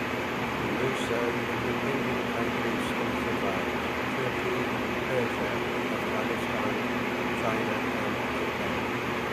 In this zone independent countries still survived - Turkey, Persia, Afghanistan, China, and Japan.